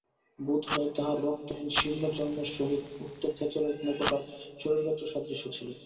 বোধ হয় তাঁহার রক্তহীন শীর্ণ চর্মের সহিত উক্ত খেচরের কোনোপ্রকার শরীরগত সাদৃশ্য ছিল।